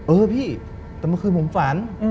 เออพี่แต่เมื่อคืนผมฝัน